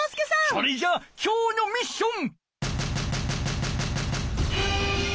それじゃ今日のミッション！